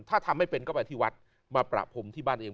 ถ้าทำไม่เป็นก็ไปที่วัดมาประพรมที่บ้านเอง